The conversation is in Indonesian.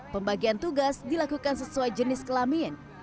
pembagian tugas dilakukan sesuai jenis kelamin